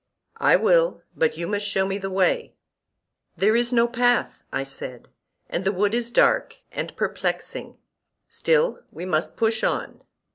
I will, but you must show me the way. Here is no path, I said, and the wood is dark and perplexing; still we must push on.